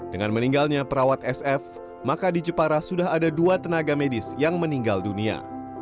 dengan meninggalnya perawat sf maka di jepara sudah ada dua tenaga medis yang meninggal dunia